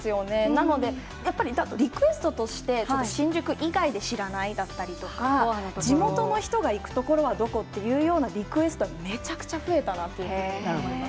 なので、やっぱりリクエストとして、新宿以外で知らない？だったりとか、地元の人が行く所はどこっていうようなリクエストは、めちゃくちゃ増えたなというふうに思います。